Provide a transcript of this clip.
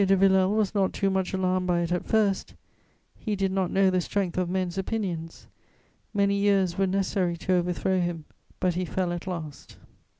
de Villèle was not too much alarmed by it at first; he did not know the strength of men's opinions. Many years were necessary to overthrow him, but he fell at last. [Sidenote: Comments in the _Débuts.